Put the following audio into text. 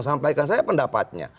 sampaikan saya pendapatnya